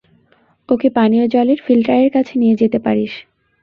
ওকে পানীয় জলের ফিল্টারের কাছে নিয়ে যেতে পারিস।